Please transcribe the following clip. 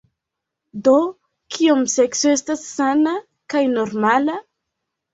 "Do, Kiom sekso estas sana kaj normala?"